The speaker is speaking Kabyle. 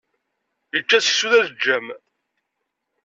Ičča seksu d aleǧǧam.